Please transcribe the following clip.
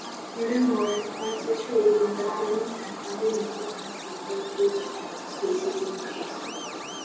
Furthermore, by situating the fuel tank underneath the back seat, luggage space is increased.